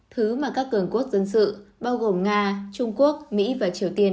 thứ mà các cường quốc dân sự bao gồm nga trung quốc mỹ và triều tiên